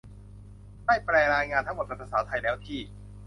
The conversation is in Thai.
ได้แปลรายงานทั้งหมดเป็นภาษาไทยแล้ว ที่